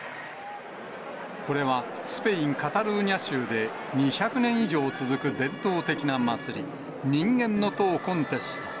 これはスペイン・カタルーニャ州で、２００年以上続く伝統的な祭り、人間の塔コンテスト。